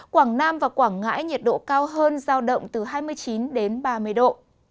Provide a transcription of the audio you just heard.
quảng nam và quảng ngãi nhiệt độ cao hơn giao động từ hai mươi chín đến ba mươi độ